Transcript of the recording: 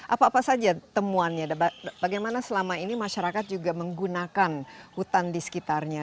apa apa saja temuannya bagaimana selama ini masyarakat juga menggunakan hutan di sekitarnya